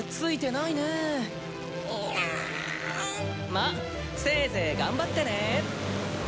まあせいぜい頑張ってね。